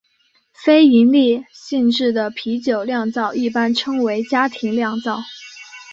非营利性质的啤酒酿造一般称为家庭酿造。